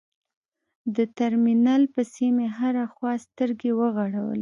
د ترمینل پسې مې هره خوا سترګې وغړولې.